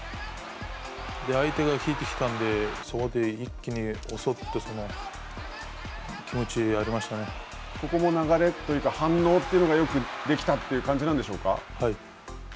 相手が引いてきたんでそこで、一気に襲うっていうここも流れというか反応というのがよくできたという感じなんでしょうか。